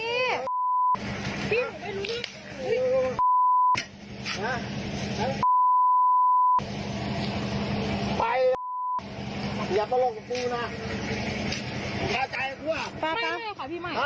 ไปอย่ามาลงกับพูดนะอย่าใจกับทั่วไปกันไม่ค่ะพี่ไม่อ่าไม่ค่ะพี่